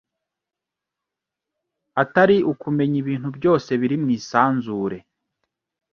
atari ukumenya ibintu byose biri mu isanzure